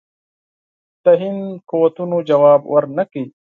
د هند قوتونو جواب ورنه کړ.